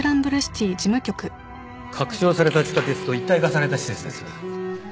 拡張された地下鉄と一体化された施設です。